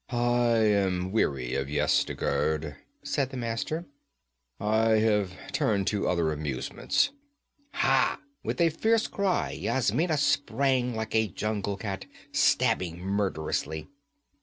'I am weary of Yezdigerd,' said the Master. 'I have turned to other amusements ha!' With a fierce cry Yasmina sprang like a jungle cat, stabbing murderously.